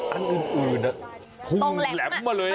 ปั้นอื่นพูงแหลมมาเลยอ่ะ